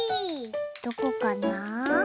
どこかなあ？